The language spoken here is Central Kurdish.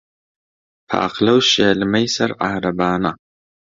پاقلە و شێلمەی سەر عارەبانە